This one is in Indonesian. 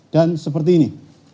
dan seperti ini